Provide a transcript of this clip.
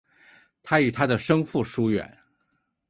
他与他的生父疏远。